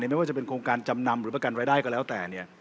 ไม่ว่าจะเป็นโครงการจำนำหรือประกันรายได้ก็แล้วแต่